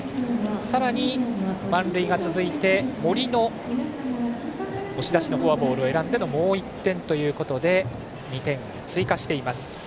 さらに満塁が続いて森の押し出しのフォアボールを選んでもう１点ということで２点を追加しています。